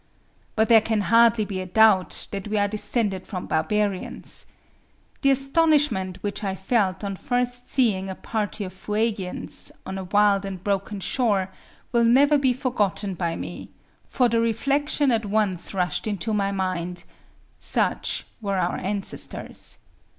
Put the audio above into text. But there can hardly be a doubt that we are descended from barbarians. The astonishment which I felt on first seeing a party of Fuegians on a wild and broken shore will never be forgotten by me, for the reflection at once rushed into my mind—such were our ancestors.